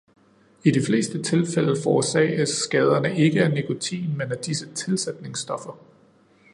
I de fleste tilfælde forårsages skaderne ikke af nikotin, men af disse tilsætningsstoffer.